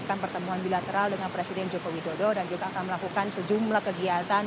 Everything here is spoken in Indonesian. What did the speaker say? melakukan pertemuan bilateral dengan presiden joko widodo dan juga akan melakukan sejumlah kegiatan